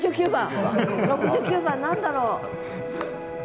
６９番何だろう？